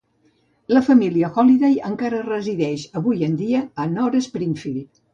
La família Holliday encara resideix avui en dia a North Springfield.